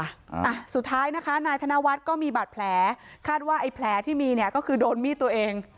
อ่ะสุดท้ายนะคะนายธนวัฒน์ก็มีบาดแผลคาดว่าไอ้แผลที่มีเนี่ยก็คือโดนมีดตัวเอง